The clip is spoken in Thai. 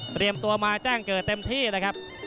ตัวมาแจ้งเกิดเต็มที่เลยครับ